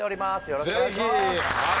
よろしくお願いします！